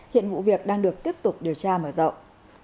hiện vụ việc đang được tiếp tục điều tra mở rộng